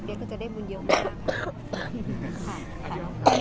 สัปดีก็จะได้บุญเยอะมาก